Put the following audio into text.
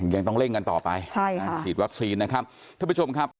ยังต้องเร่งกันต่อไปฉีดวัคซีนนะครับ